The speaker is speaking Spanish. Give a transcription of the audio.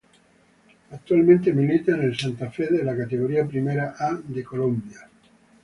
Actualmente milita en Santa Fe de la Categoría Primera A de Colombia.